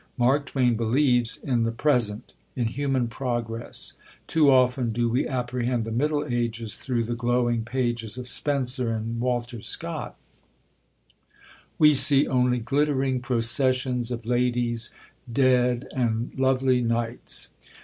Mark Twain believes in the Present, in human progress. Too often do we apprehend the Middle Ages through the glowing pages of Spenser and Walter Scott; we see only glittering processions of ladies dead and lovely knights.